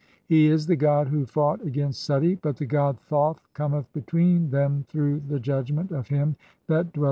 (5) He "is] the god [who] fought against Suti, but the god Thoth "cometh between them through the judgment of him that dwell 1.